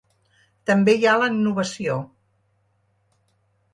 També hi ha la innovació.